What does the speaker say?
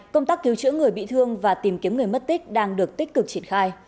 công tác cứu chữa người bị thương và tìm kiếm người mất tích đang được tích cực triển khai